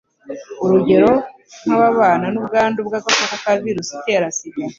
urugero nk'ababana n'ubwandu bw'agakoko ka virusi itera SIDA